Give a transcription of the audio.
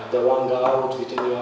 dawang keluar witenio keluar